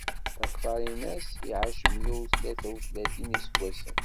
Takfarinas iɛac meyya u tlata u tlatin n iseggasen.